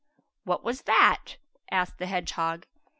"What was that?" asked the hedgehog.